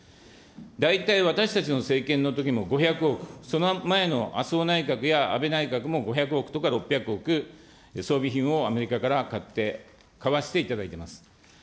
大体私たちの政権のときも５００億、その前の麻生内閣や安倍内閣も５００億とか６００億、装備品をアメリカから買って、買わせていただいています。